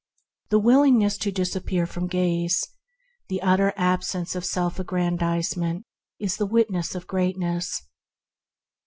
The willingness to disappear from gaze, the utter absence of self aggrandize ment is the witness of greatness.